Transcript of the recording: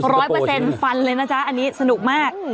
ร้อยเปอร์เซ็นฟันเลยนะจ๊ะอันนี้สนุกมาก